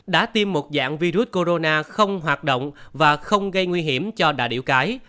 đã tiêm một dạng virus corona không hoạt động và không gây nguy hiểm cho đà điểu cái